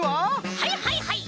はいはいはい！